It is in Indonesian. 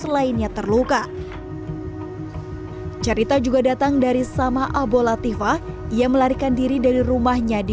dua ribu enam ratus lainnya terluka cerita juga datang dari sama abu latifah ia melarikan diri dari rumahnya di